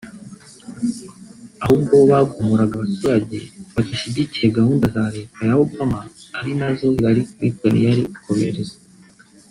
Ahubwo bo bagumuraga abaturage badashyigikiye gahunda za Leta ya Obama ari nazo Hillary Clinton yari gukomeza